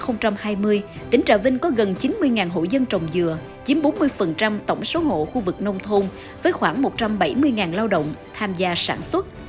năm hai nghìn hai mươi tỉnh trà vinh có gần chín mươi hộ dân trồng dừa chiếm bốn mươi tổng số hộ khu vực nông thôn với khoảng một trăm bảy mươi lao động tham gia sản xuất